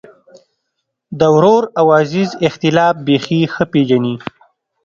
د ورور او عزیز اختلاف بېخي ښه پېژني.